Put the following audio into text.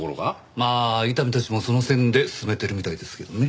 まあ伊丹たちもその線で進めてるみたいですけどね。